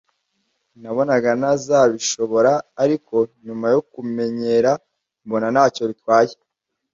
nabonaga ntazabishobora ariko nyuma yokumenyera mbona ntacyo bitwaye